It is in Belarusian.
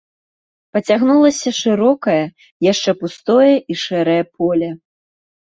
Пацягнулася шырокае, яшчэ пустое і шэрае поле.